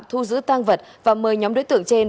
thu giữ tang vật và mời nhóm đối tượng trên